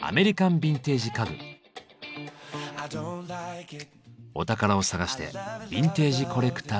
お宝を探してビンテージコレクターのお宅へ。